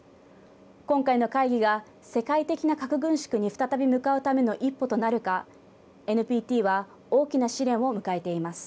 今回の会議が世界的な核軍縮に再び向かうための一歩となるか、ＮＰＴは大きな試練を迎えています。